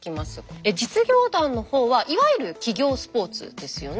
実業団の方はいわゆる企業スポーツですよね。